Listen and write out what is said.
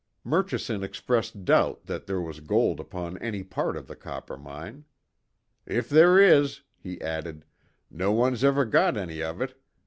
Murchison expressed doubt that there was gold upon any part of the Coppermine, "If there is," he added, "No one's ever got any of it.